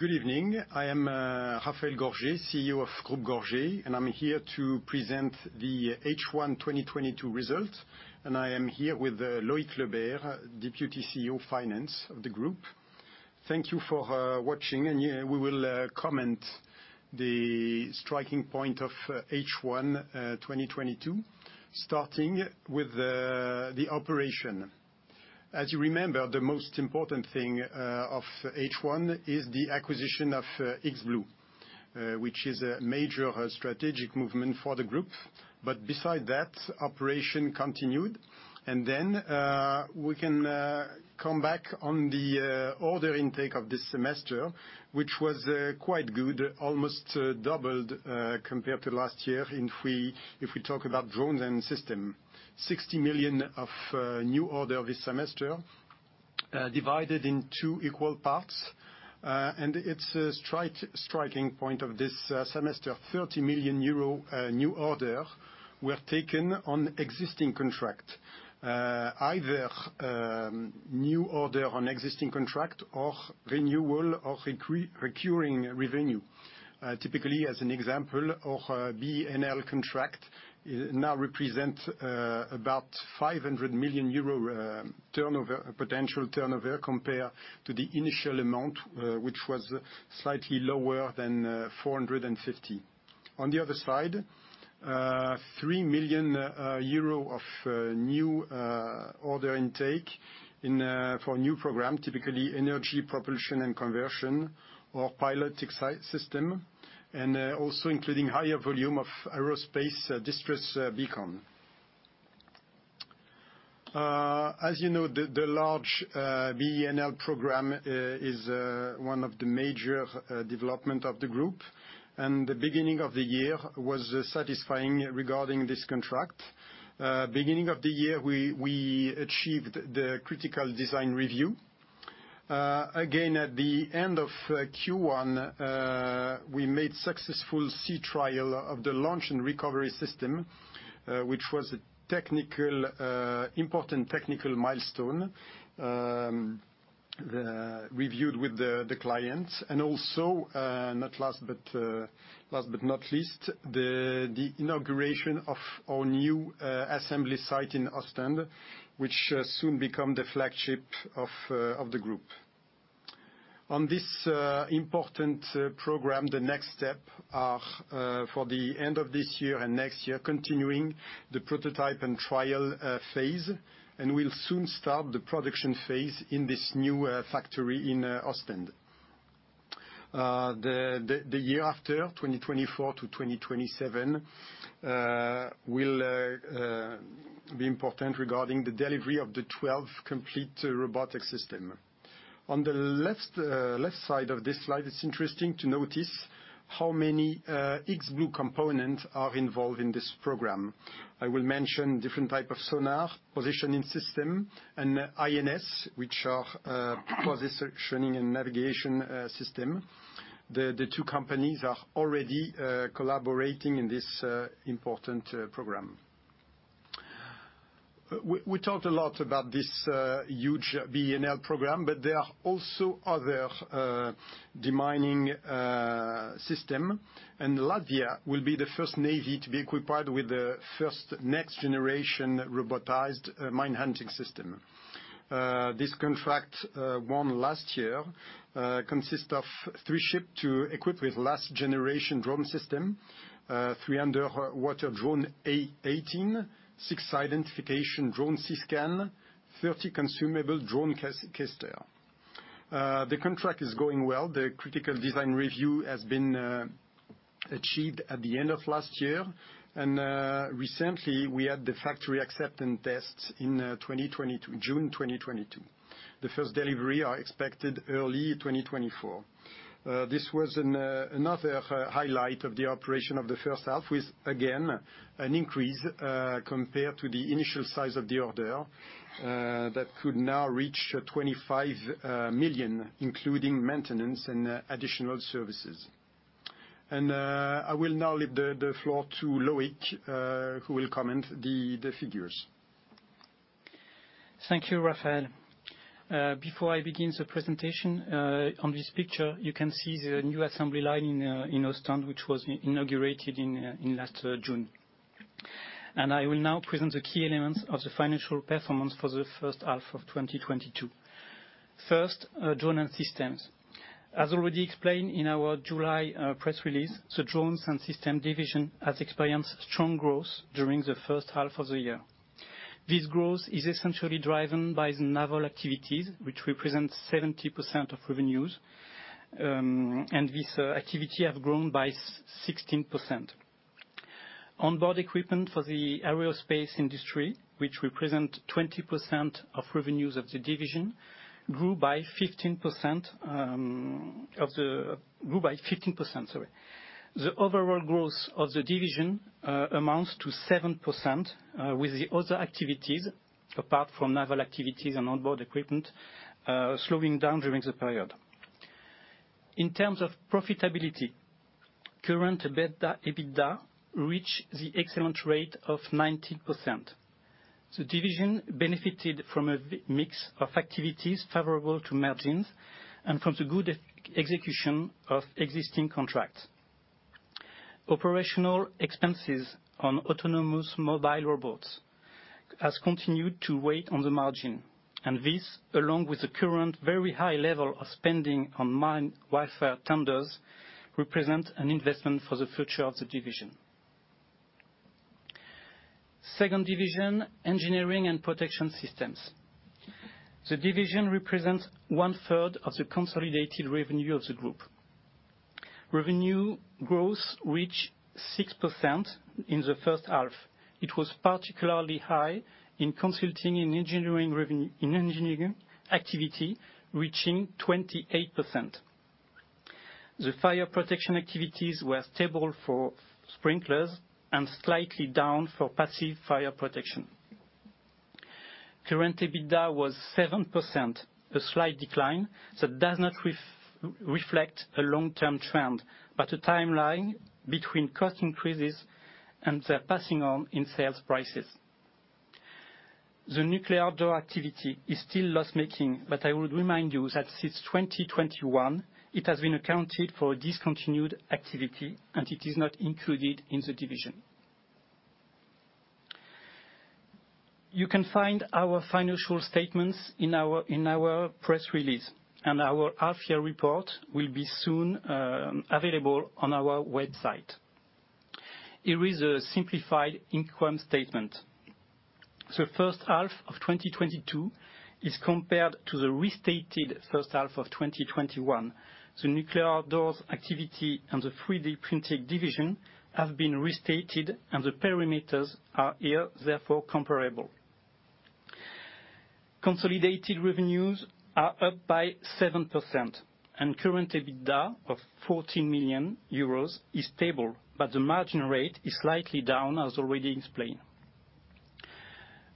Good evening. I am Raphaël Gorgé, CEO of Groupe Gorgé, and I'm here to present the H1 2022 results, and I am here with Loïc Le Berre, Deputy CEO Finance of the group. Thank you for watching, and we will comment the striking point of H1 2022, starting with the operation. As you remember, the most important thing of H1 is the acquisition of iXblue, which is a major strategic movement for the group. Beside that, operation continued. Then we can come back on the order intake of this semester, which was quite good, almost doubled compared to last year if we talk about drones and system. 60 million of new order this semester, divided in two equal parts. It's a striking point of this semester. 30 million euro new order were taken on existing contract. Either new order on existing contract or renewal of recurring revenue. Typically, as an example, our BENL contract now represents about 500 million euro turnover, potential turnover compared to the initial amount, which was slightly lower than 450 million. On the other side, 3 million euro of new order intake in for new program, typically energy propulsion and conversion or pilot excite system, and also including higher volume of aerospace distress beacon. As you know, the large BENL program is one of the major development of the group, and the beginning of the year was satisfying regarding this contract. Beginning of the year, we achieved the critical design review. Again, at the end of Q1, we made successful sea trial of the launch and recovery system, which was a important technical milestone reviewed with the clients. Last but not least, the inauguration of our new assembly site in Oostende, which soon become the flagship of the group. On this important program, the next step are for the end of this year and next year, continuing the prototype and trial phsse, and we'll soon start the production phase in this new factory in Oostende. The year after, 2024-2027, will be important regarding the delivery of the 12 complete robotic system. On the left side of this slide, it's interesting to notice how many iXblue components are involved in this program. I will mention different type of sonar, positioning system, and INS, which are position and navigation system. The two companies are already collaborating in this important program. We talked a lot about this huge BENL program, but there are also other demining system. Latvia will be the first navy to be equipped with the first next-generation robotized mine hunting system. This contract won last year consists of three ships to equip with last generation drone system, three underwater drone A18, six identification drone SEASCAN, 30 consumable drone K-STER. The contract is going well. The critical design review has been achieved at the end of last year. Recently, we had the factory acceptance tests in June 2022. The first delivery are expected early 2024. This was another highlight of the operation of the first half with, again, an increase, compared to the initial size of the order, that could now reach 25 million, including maintenance and additional services. I will now leave the floor to Loïc, who will comment the figures. Thank you, Raphaël. Before I begin the presentation, on this picture, you can see the new assembly line in Ostend, which was inaugurated in last June. I will now present the key elements of the financial performance for the first half of 2022. First, Drones and Systems. As already explained in our July press release, the Drones and Systems division has experienced strong growth during the first half of the year. This growth is essentially driven by the naval activities, which represent 70% of revenues, and this activity have grown by 16%. Onboard equipment for the aerospace industry, which represent 20% of revenues of the division, grew by 15%. The overall growth of the division amounts to 7% with the other activities, apart from naval activities and onboard equipment, slowing down during the period. In terms of profitability. Current EBITDA reached the excellent rate of 90%. The division benefited from a big mix of activities favorable to margins and from the good execution of existing contracts. Operational expenses on autonomous mobile robots has continued to weigh on the margin, and this, along with the current very high level of spending on mine warfare tenders, represents an investment for the future of the division. Second division, Engineering & Protection Systems. The division represents one-third of the consolidated revenue of the group. Revenue growth reached 6% in the first half. It was particularly high in consulting and engineering in engineering activity, reaching 28%. The fire protection activities were stable for sprinklers and slightly down for passive fire protection. Current EBITDA was 7%, a slight decline that does not reflect a long-term trend, but a timeline between cost increases and their passing on in sales prices. The nuclear outdoor activity is still loss-making, but I would remind you that since 2021, it has been accounted for a discontinued activity, and it is not included in the division. You can find our financial statements in our press release, and our half-year report will be soon available on our website. Here is a simplified income statement. The first half of 2022 is compared to the restated first half of 2021. The nuclear outdoors activity and the 3D printing division have been restated, and the perimeters are here, therefore comparable. Consolidated revenues are up by 7%, and current EBITDA of 14 million euros is stable, but the margin rate is slightly down, as already explained.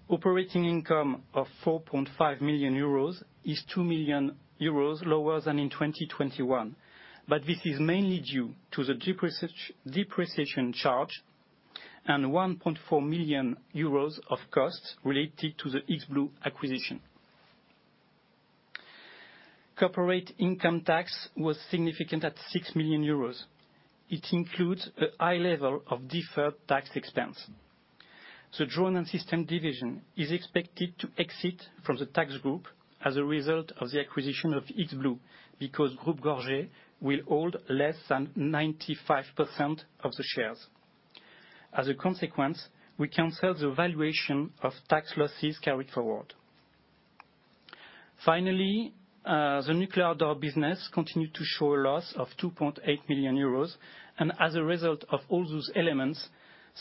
Operating income of 4.5 million euros is 2 million euros lower than in 2021, but this is mainly due to the depreciation charge and 1.4 million euros of costs related to the iXblue acquisition. Corporate income tax was significant at 6 million euros. It includes a high level of deferred tax expense. The drone and system division is expected to exit from the tax group as a result of the acquisition of iXblue, because Groupe Gorgé will hold less than 95% of the shares. As a consequence, we cancel the valuation of tax losses carried forward. Finally, the nuclear outdoor business continued to show a loss of 2.8 million euros, and as a result of all those elements,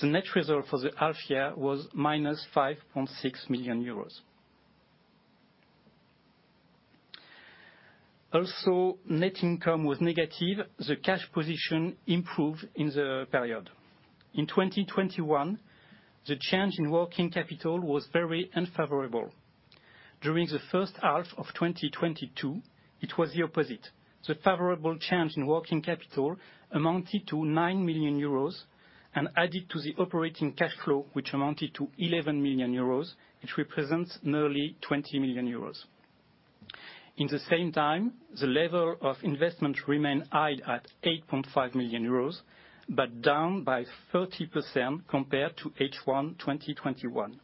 the net result for the half year was minus 5.6 million euros. Also, net income was negative. The cash position improved in the period. In 2021, the change in working capital was very unfavorable. During the first half of 2022, it was the opposite. The favorable change in working capital amounted to 9 million euros and added to the operating cash flow, which amounted to 11 million euros, which represents nearly 20 million euros. At the same time, the level of investment remained high at 8.5 million euros, but down by 30% compared to H1 2021.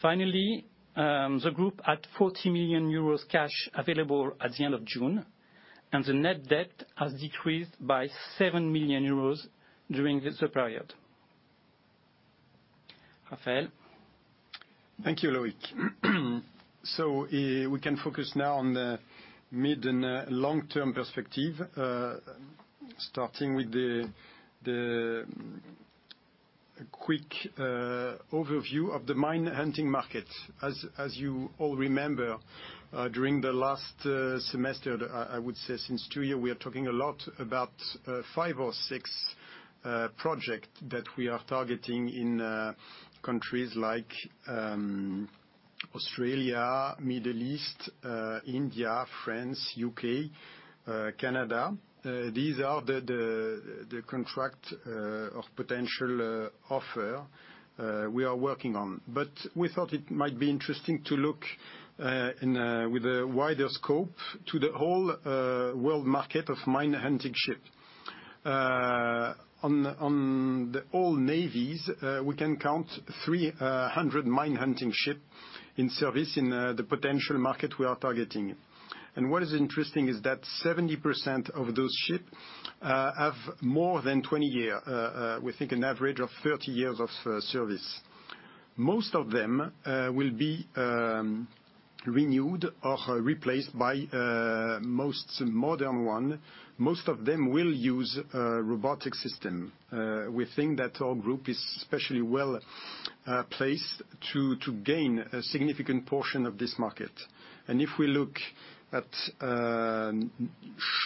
Finally, the group had 40 million euros cash available at the end of June, and the net debt has decreased by 7 million euros during this period. Raphaël? Thank you, Loïc. We can focus now on the mid- and long-term perspective, starting with the quick overview of the mine hunting market. As you all remember, during the last semester, I would say since two years, we are talking a lot about five or six projects that we are targeting in countries like Australia, Middle East, India, France, U.K., Canada. These are the contracts or potential offers we are working on. We thought it might be interesting to look with a wider scope to the whole world market of mine hunting ships. On all the navies, we can count 300 mine hunting ships in service in the potential market we are targeting. What is interesting is that 70% of those ships have more than 20 years, we think an average of 30 years of service. Most of them will be renewed or replaced by more modern ones. Most of them will use robotic systems. We think that our group is especially well placed to gain a significant portion of this market. If we look at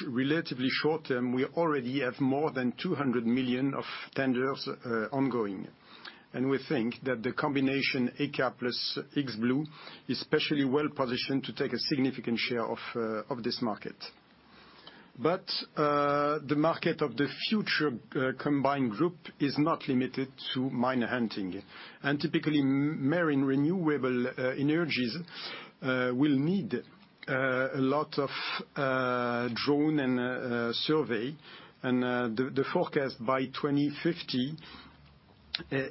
relatively short-term, we already have more than 200 million of tenders ongoing. We think that the combination, ECA plus iXblue, is specially well-positioned to take a significant share of this market. The market of the future combined group is not limited to mine hunting. Typically, marine renewable energies will need a lot of drones and surveys. The forecast by 2050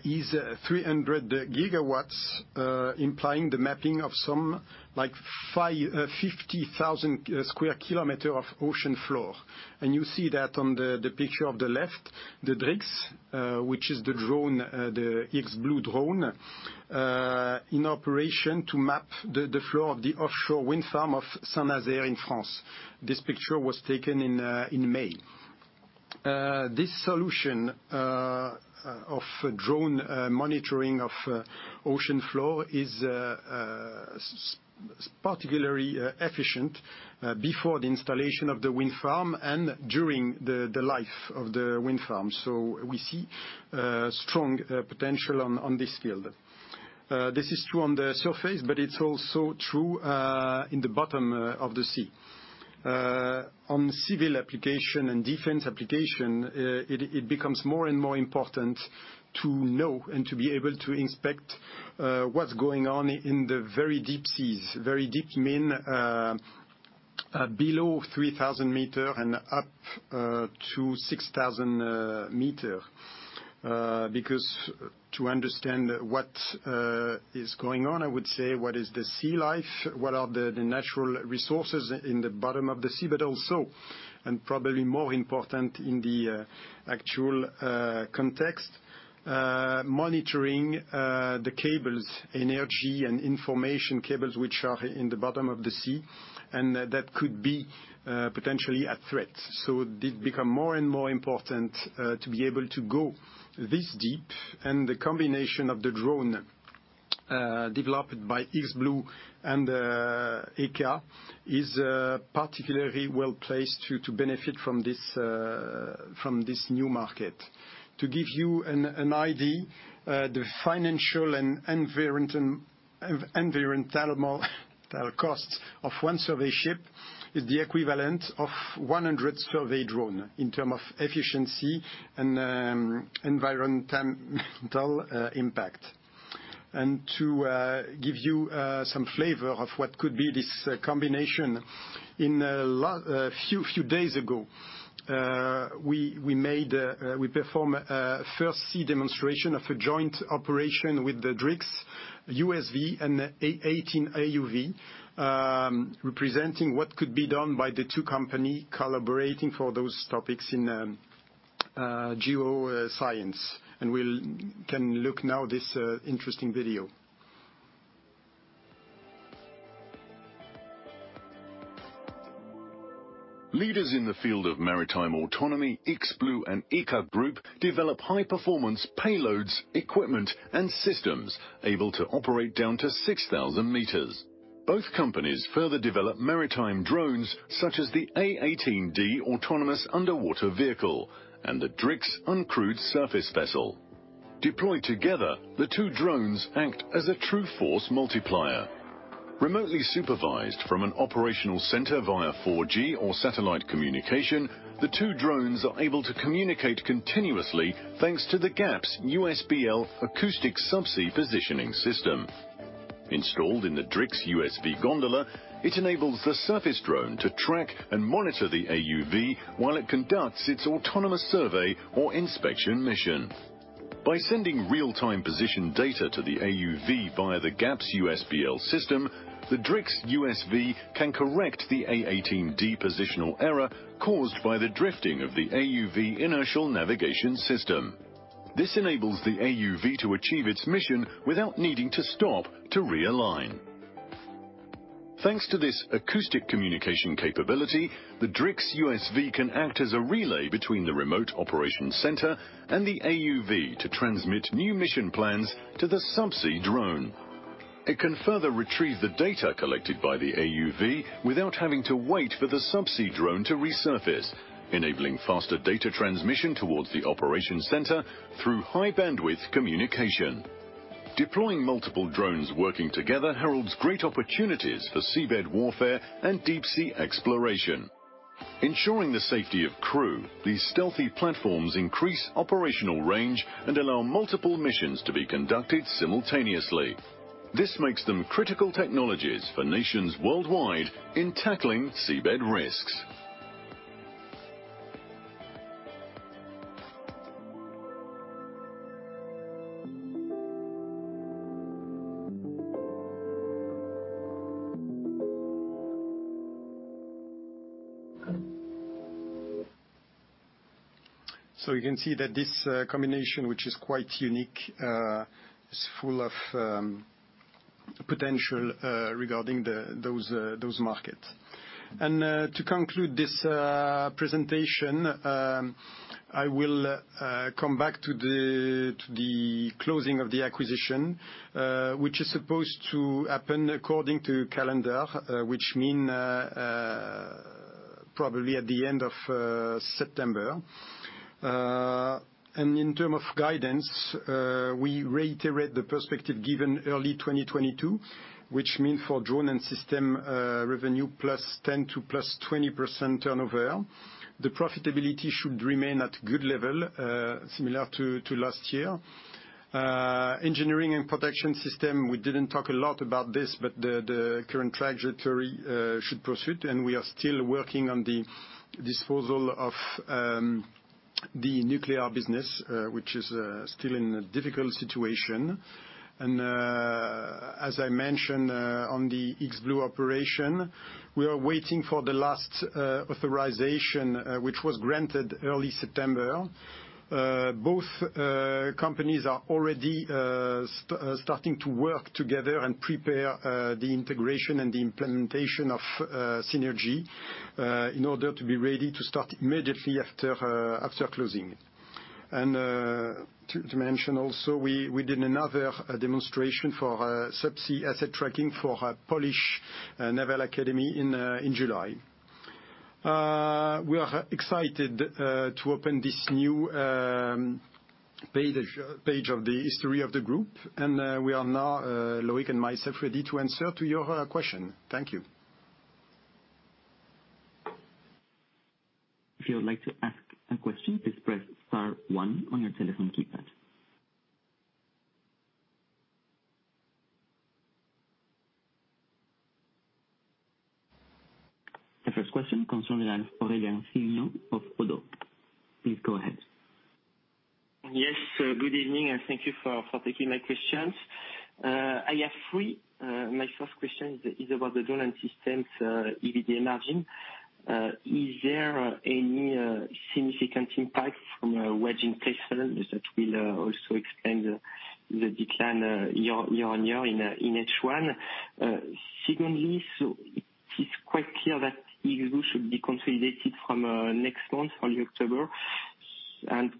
is 300 gigawatts, implying the mapping of some, like 50,000 square kilometers of ocean floor. You see that on the picture on the left, the DriX, which is the drone, the iXblue drone, in operation to map the floor of the offshore wind farm of Saint-Nazaire in France. This picture was taken in May. This solution of drone monitoring of ocean floor is particularly efficient before the installation of the wind farm and during the life of the wind farm. We see strong potential on this field. This is true on the surface, but it's also true in the bottom of the sea. On civil application and defense application, it becomes more and more important to know and to be able to inspect what's going on in the very deep seas. Very deep mean below 3,000 meter and up to 6,000 meter. Because to understand what is going on, I would say what is the sea life, what are the natural resources in the bottom of the sea, but also, and probably more important in the actual context, monitoring the cables, energy and information cables, which are in the bottom of the sea, and that could be potentially a threat. It become more and more important to be able to go this deep. The combination of the drone developed by iXblue and ECA is particularly well placed to benefit from this new market. To give you an idea, the financial and environmental costs of one survey ship is the equivalent of 100 survey drones in terms of efficiency and environmental impact. To give you some flavor of what could be this combination, a few days ago, we performed a first sea demonstration of a joint operation with the DriX USV and A18 AUV, representing what could be done by the two companies collaborating for those topics in geoscience. We can look now at this interesting video. Leaders in the field of maritime autonomy, iXblue and ECA Group, develop high-performance payloads, equipment, and systems able to operate down to 6,000 meters. Both companies further develop maritime drones such as the A18-D autonomous underwater vehicle and the DriX uncrewed surface vehicle. Deployed together, the two drones act as a true force multiplier. Remotely supervised from an operational center via 4G or satellite communication, the two drones are able to communicate continuously thanks to the Gaps USBL acoustic subsea positioning system. Installed in the DriX USV gondola, it enables the surface drone to track and monitor the AUV while it conducts its autonomous survey or inspection mission. By sending real-time position data to the AUV via the Gaps USBL system, the DriX USV can correct the A18-D positional error caused by the drifting of the AUV inertial navigation system. This enables the AUV to achieve its mission without needing to stop to realign. Thanks to this acoustic communication capability, the DriX USV can act as a relay between the remote operation center and the AUV to transmit new mission plans to the subsea drone. It can further retrieve the data collected by the AUV without having to wait for the subsea drone to resurface, enabling faster data transmission towards the operation center through high-bandwidth communication. Deploying multiple drones working together heralds great opportunities for seabed warfare and deep-sea exploration. Ensuring the safety of crew, these stealthy platforms increase operational range and allow multiple missions to be conducted simultaneously. This makes them critical technologies for nations worldwide in tackling seabed risks. You can see that this combination, which is quite unique, is full of potential regarding those markets. To conclude this presentation, I will come back to the closing of the acquisition, which is supposed to happen according to calendar, which mean probably at the end of September. In terms of guidance, we reiterate the perspective given early 2022, which mean for drone and system, revenue +10% to +20% turnover. The profitability should remain at good level, similar to last year. Engineering and protection system, we didn't talk a lot about this, but the current trajectory should proceed, and we are still working on the disposal of the nuclear business, which is still in a difficult situation. As I mentioned, on the iXblue operation, we are waiting for the last authorization, which was granted early September. Both companies are already starting to work together and prepare the integration and the implementation of synergy in order to be ready to start immediately after closing. To mention also, we did another demonstration for subsea asset tracking for a Polish naval academy in July. We are excited to open this new page of the history of the group. We are now Loïc and myself ready to answer to your question. Thank you. If you would like to ask a question, please press star one on your telephone keypad. The first question comes from the line of Aurélien Sivignon of Oddo. Please go ahead. Yes, good evening, and thank you for taking my questions. I have three. My first question is about the drone and systems EBITDA margin. Is there any significant impact from a wage increase that will also explain the decline year-on-year in H1? Secondly, it is quite clear that iXblue should be consolidated from next month, early October.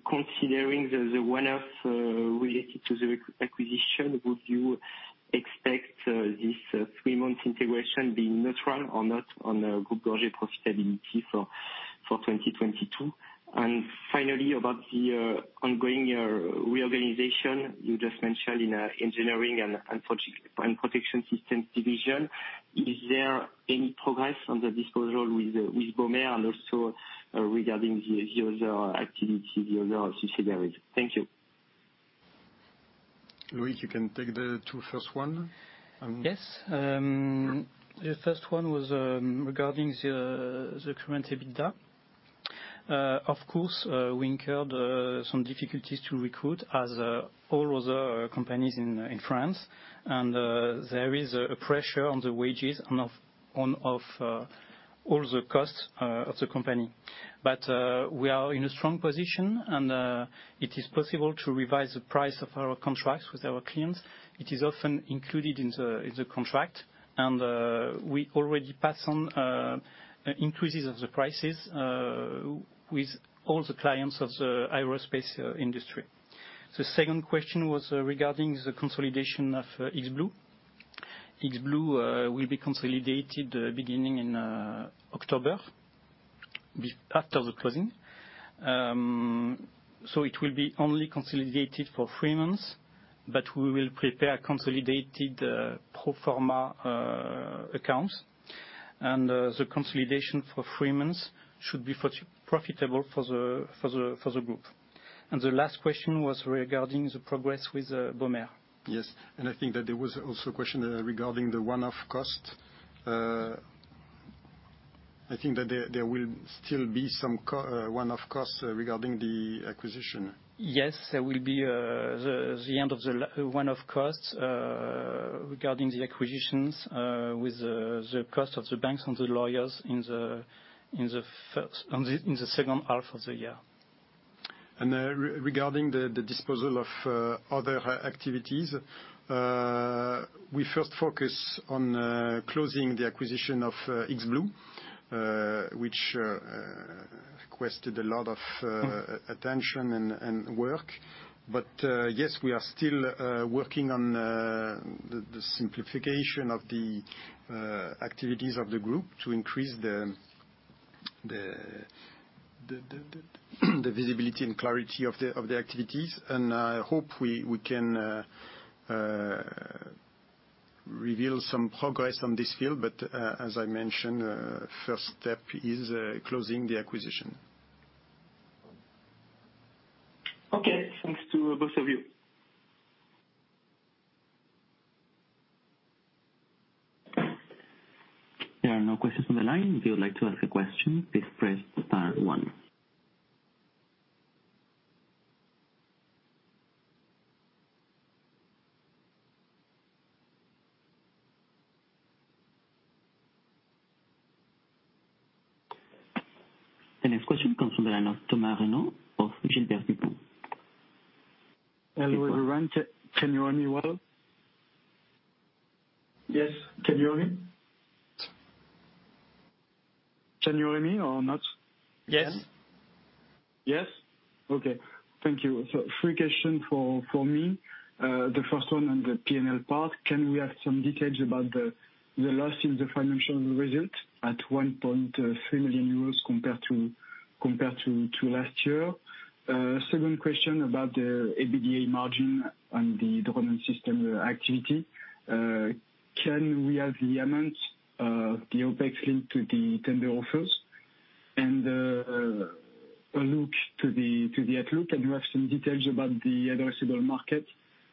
Considering the one-offs related to the acquisition, would you expect this three-month integration being neutral or not on the Groupe Gorgé profitability for 2022? Finally, about the ongoing reorganization you just mentioned in engineering and protection systems division, is there any progress on the disposal with Baumert and also regarding the other activity, the other EPS division? Thank you. Loïc, you can take the two first ones. Yes. The first one was regarding the current EBITDA. Of course, we incurred some difficulties to recruit as all other companies in France. There is a pressure on the wages and on all the costs of the company. We are in a strong position, and it is possible to revise the price of our contracts with our clients. It is often included in the contract. We already pass on increases of the prices with all the clients of the aerospace industry. The second question was regarding the consolidation of iXblue. iXblue will be consolidated beginning in October after the closing. It will be only consolidated for three months, but we will prepare consolidated pro forma accounts. The consolidation for three months should be profitable for the group. The last question was regarding the progress with Baumert. Yes. I think that there was also a question regarding the one-off cost. I think that there will still be some one-off costs regarding the acquisition. Yes. There will be the end of the one-off costs regarding the acquisitions, with the cost of the banks and the lawyers in the second half of the year. Regarding the disposal of other activities, we first focus on closing the acquisition of iXblue, which requested a lot of attention and work. Yes, we are still working on the simplification of the activities of the group to increase the visibility and clarity of the activities. I hope we can reveal some progress on this field. As I mentioned, first step is closing the acquisition. Okay. Thanks to both of you. There are no questions on the line. If you would like to ask a question, please press star one. The next question comes from the line of Thomas Renaud of Société de Bourse Gilbert Dupont. Hello, everyone. Can you hear me well? Yes. Can you hear me? Can you hear me or not? Yes. Thank you. Three questions for me. The first one on the P&L part, can we have some details about the loss in the financial result at 1.3 million euros compared to last year. Second question about the EBITDA margin and the autonomous systems activity. Can we have the amount, the OpEx linked to the tender offers. A look to the outlook, and you have some details about the addressable market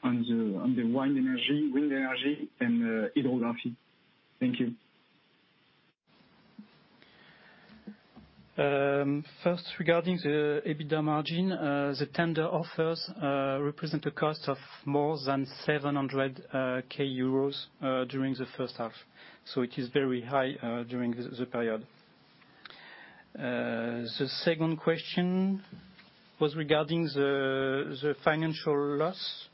on the wind energy and hydrography. Thank you. First regarding the EBITDA margin, the tender offers represent a cost of more than 700K euros during the first half. It is very high during the period. The second question was regarding the financial loss,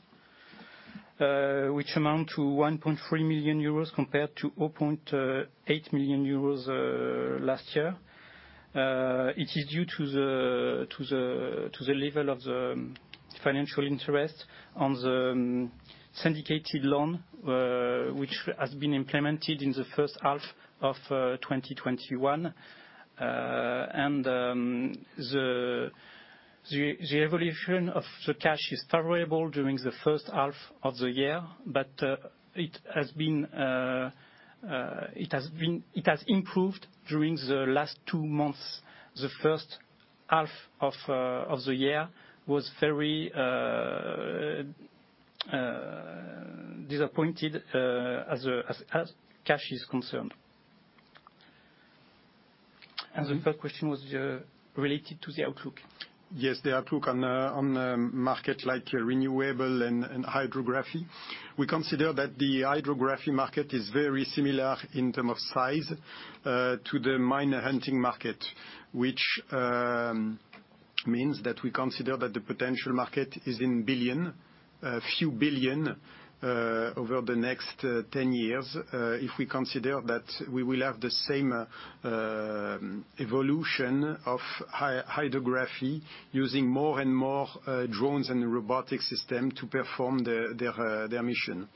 which amounts to 1.3 million euros compared to 0.8 million euros last year. It is due to the level of the financial interest on the syndicated loan, which has been implemented in the first half of 2021. The evolution of the cash is favorable during the first half of the year, but it has improved during the last two months. The first half of the year was very disappointing as cash is concerned. The third question was related to the outlook. Yes, the outlook on markets like renewable and hydrography. We consider that the hydrography market is very similar in terms of size to the mine hunting market, which means that we consider that the potential market is in billions, a few billion EUR over the next 10 years. If we consider that we will have the same evolution of hydrography using more and more drones and robotic systems to perform their mission.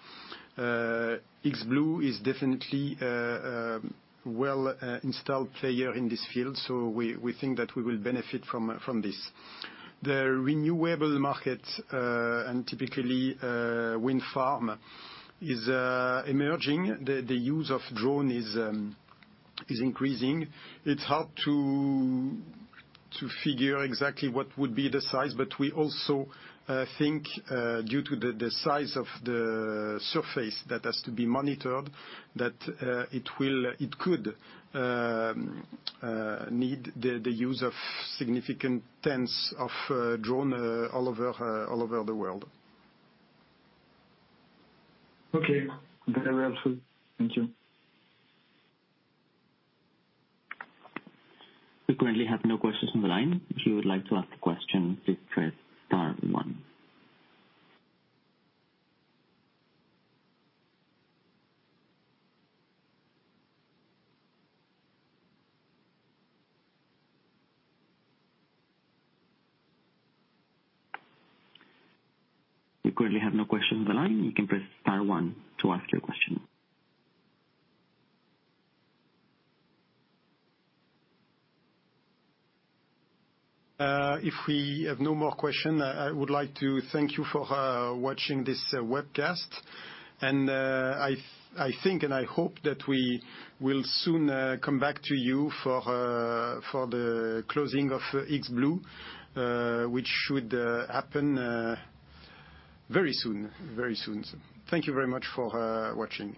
iXblue is definitely a well-established player in this field, so we think that we will benefit from this. The renewable market and typically wind farms are emerging. The use of drones is increasing. It's hard to figure exactly what would be the size, but we also think, due to the size of the surface that has to be monitored, that it could need the use of significant tens of drones all over the world. Okay. Very helpful. Thank you. We currently have no questions on the line. If you would like to ask a question, please press star one. We currently have no questions on the line. You can press star one to ask your question. If we have no more question, I would like to thank you for watching this webcast. I think and I hope that we will soon come back to you for the closing of iXblue, which should happen very soon, very soon. Thank you very much for watching.